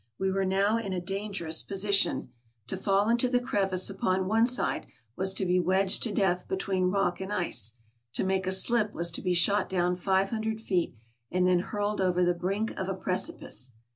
We were now in a dan gerous position : to fall into the crevice upon one side was to be wedged to death between rock and ice; to make a slip was to be shot down five hundred feet, and then hurled over the brink of a precipice.